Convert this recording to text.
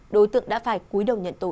đối tượng đã phải cuối đầu nhận tội